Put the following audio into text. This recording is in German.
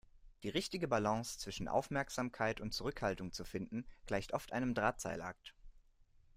Die richtige Balance zwischen Aufmerksamkeit und Zurückhaltung zu finden, gleicht oft einem Drahtseilakt.